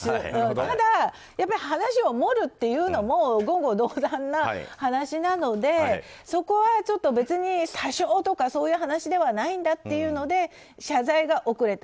ただ、やっぱり話を盛るというのも言語道断な話なのでそこは別に詐称とかそういう話ではないんだということで謝罪が遅れた。